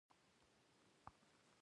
حیران شوم.